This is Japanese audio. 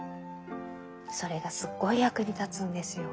それがすごい役に立つんですよ。